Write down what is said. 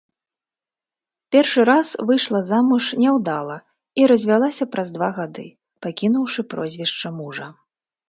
Першы раз выйшла замуж няўдала і развялася праз два гады, пакінуўшы прозвішча мужа.